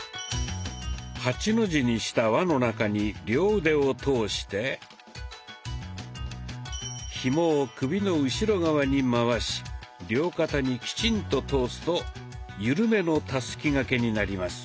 ８の字にした輪の中に両腕を通してひもを首の後ろ側に回し両肩にきちんと通すとゆるめの「たすき掛け」になります。